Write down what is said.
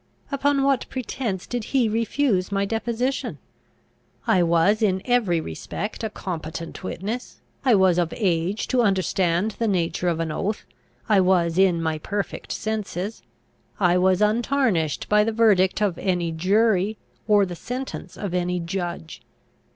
Upon what pretence did he refuse my deposition? I was in every respect a competent witness. I was of age to understand the nature of an oath; I was in my perfect senses; I was untarnished by the verdict of any jury, or the sentence of any judge.